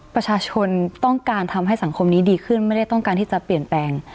ประชาชนต้องการทำให้สังคมนี้ดีขึ้นไม่ได้ต้องการที่จะเปลี่ยนแปลง